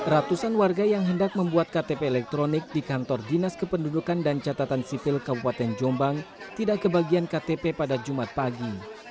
ratusan warga yang hendak membuat ktp elektronik di kantor dinas kependudukan dan catatan sipil kabupaten jombang tidak kebagian ktp pada jumat pagi